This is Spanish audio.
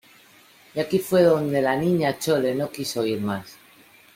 y aquí fué donde la Niña Chole no quiso oír más: